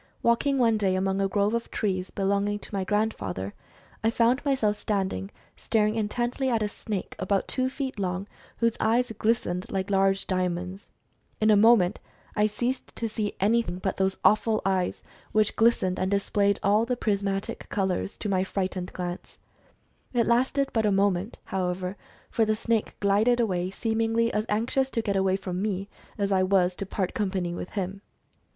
Walking one day among a grove of trees belonging to my grand father, I found myself standing staring intently at a snake about two feet long whose eyes glistened like large diamonds. In a moment I ceased to see anything but those awful eyes which glistened and displayed all the prismatic colors Mental Fascination Among Animals 21 to my frightened glance. It lasted but a mo ment, however, for the snake glided away, seemingly as anxious to get away from me as I was to part com pany with him.